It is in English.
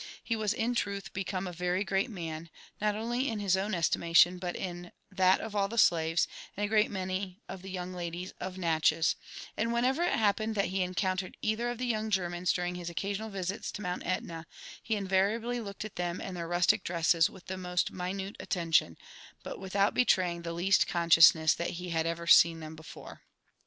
He was in truth become a very great man, not only in his own estimation, but in that of all the slaves, and a great many of the young ladies of Natchez ; and whenever it happened that he encountered either of the young Germans during his occasional visits to Mount Etna, he in variably looked at them and their rustic dresses with the most minute attention, but without betraying the least consciousness that he had ever seen them befdre.